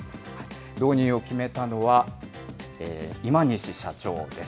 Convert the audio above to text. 導入を決めたのは、今西社長です。